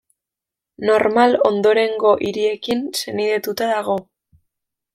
Normal ondorengo hiriekin senidetuta dago.